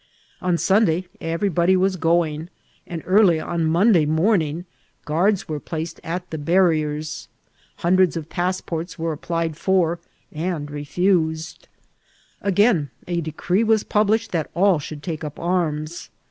On Sunday everybody was go ing, and early on Monday morning guards were placed at the barriers. Hundreds of passports were applied for and refused. Again a decree was published that all should take up arms.